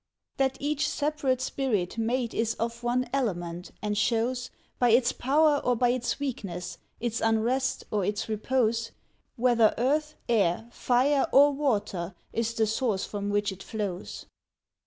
That each separate spirit made is of one element, and shows, By its power or by its weakness, its unrest or its repose, Whether earth, air, fire, or water is the Source from which it flows